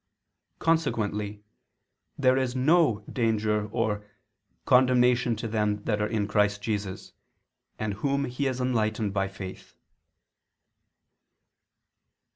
Consequently "there is no" danger or "condemnation to them that are in Christ Jesus," and whom He has enlightened by faith.